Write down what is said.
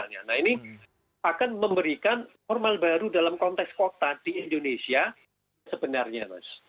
nah ini akan memberikan formal baru dalam konteks kota di indonesia sebenarnya mas